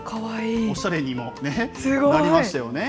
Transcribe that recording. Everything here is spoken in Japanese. おしゃれにもなりましたよね。